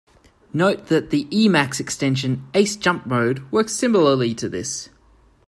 Note that the Emacs extension "Ace jump mode" works similarly to this.